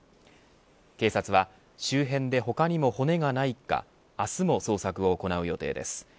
警察は、周辺で他にも骨がないか明日も捜索を行う予定です。